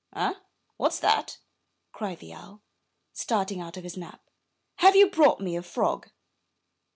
''Eh! what's that?'' cried the owl, starting out of his nap. ''Have you brought me a frog?"